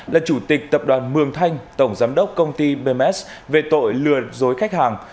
là chủ tịch tập đoàn mường thanh tổng giám đốc công ty bms về tội lừa dối khách hàng